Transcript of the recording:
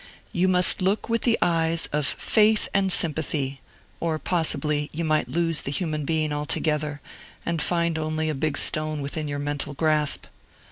You must look with the eyes of faith and sympathy, or, possibly, you might lose the human being altogether, and find only a big stone within your mental grasp.